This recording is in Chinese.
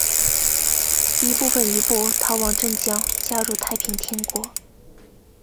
一部分余部逃往镇江加入太平天国。